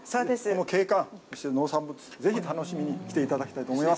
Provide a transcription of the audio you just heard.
この景観、そして農産物、ぜひ楽しみに来ていただきたいと思います。